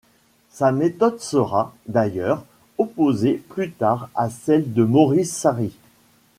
Sa méthode sera, d'ailleurs, opposée plus tard à celle de Maurice Sarry.